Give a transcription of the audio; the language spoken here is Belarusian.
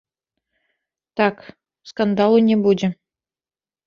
Так, скандалу не будзе.